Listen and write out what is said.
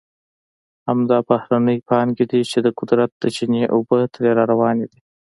همدا بهرنۍ پانګې دي چې د قدرت د چینې اوبه ترې را روانې دي.